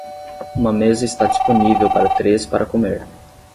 Uma mesa está disponível para três para comer.